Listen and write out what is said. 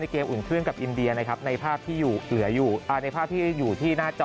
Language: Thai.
ในเกมอุ่นเคลื่อนกับอินเดียในภาพที่อยู่ที่หน้าจอ